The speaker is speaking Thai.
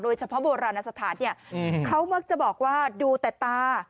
เฉพาะโบราณสถานเนี่ยเขามักจะบอกว่าดูแต่ตา